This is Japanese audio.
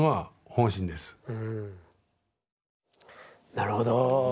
なるほど。